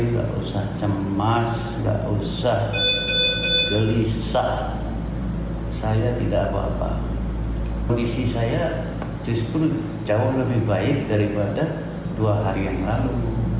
kondisi saya justru jauh lebih baik daripada dua hari yang lalu